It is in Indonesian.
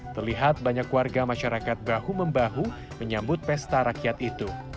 terlihat banyak warga masyarakat bahu membahu menyambut pesta rakyat itu